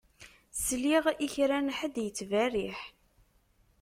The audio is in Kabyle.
Sliɣ i kra n ḥedd yettberriḥ.